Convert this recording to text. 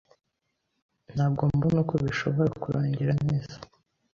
Ntabwo mbona uko bishobora kurangira neza.